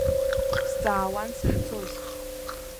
Сҵаауан сахьцоз.